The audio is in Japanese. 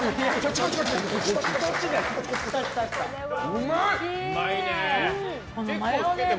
うまい！